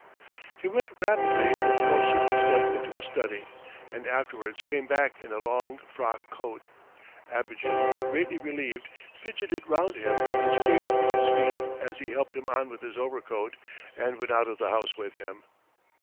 He went rapidly with a more certain step to his study, and afterwards came back in a long frock coat. Abogin, greatly relieved, fidgeted round him and scraped with his feet as he helped him on with his overcoat, and went out of the house with him.